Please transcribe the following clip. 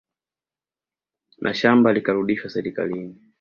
Na shamba likarudishwa serikalini